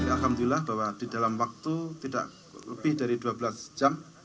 alhamdulillah bahwa di dalam waktu tidak lebih dari dua belas jam